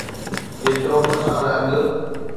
جيترو ٻه سال اڳ.